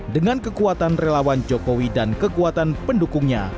dengan kekuatan relawan jokowi dan kekuatan pendukungnya